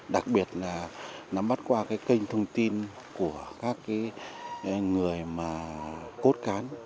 đặc biệt là nắm bắt qua kênh thông tin của các người cốt cán